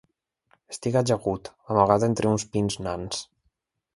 Estic ajagut, amagat entre uns pins nans